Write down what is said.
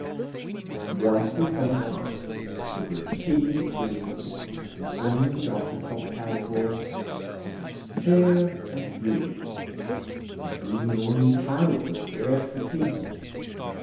Once upon a time there were a King and a Queen who had an only daughter, called Hadvor, who was fair and beautiful, and being an only child, was heir to the kingdom.